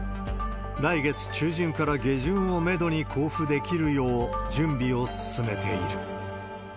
来月中旬から下旬をメドに交付できるよう準備を進めている。